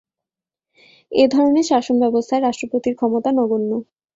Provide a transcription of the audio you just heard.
এধরনের শাসন ব্যবস্থায় রাষ্ট্রপতির ক্ষমতা নগণ্য।